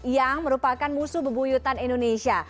yang merupakan musuh bebuyutan indonesia